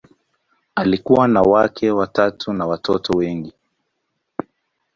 Alikuwa na wake watatu na watoto wengi.